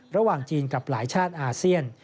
ระหว่างจีนกับหลายชาติอาเซียน